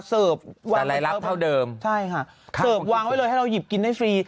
เสิร์ฟวางไว้เลยให้เราหยิบกินได้ฟรี